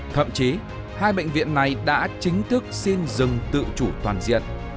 thậm chí hai bệnh viện này đã chính thức xin dừng tự chủ toàn diện